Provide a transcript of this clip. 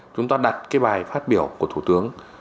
chúng ta đặt bài phát biểu của thủ tướng